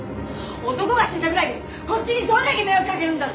男が死んだぐらいでこっちにどれだけ迷惑かけるんだ！？